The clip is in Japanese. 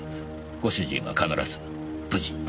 ご主人は必ず無事に。